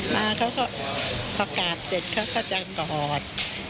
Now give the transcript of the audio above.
มาเขาก็พอกราบเสร็จเขาก็จะกอด